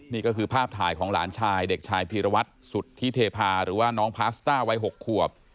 นี่ก็คือภาพถ่ายของหลานชายเด็กชายพีรวัตรสุทธิเทพาหรือว่าน้องพาสต้าวัย๖ขวบ